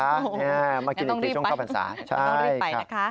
โอ้โฮงั้นต้องรีบไปต้องรีบไปนะคะมากินอีกช่วงข้าวพรรษา